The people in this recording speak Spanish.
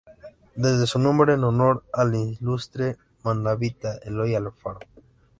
Debe su nombre en honor al ilustre manabita Eloy Alfaro.